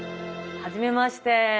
はじめまして。